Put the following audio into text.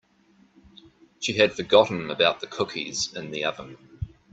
She had forgotten about the cookies in the oven.